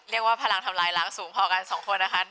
เรียกว่าพลังทำลายล้างสูงพอกันสองคนนะคะ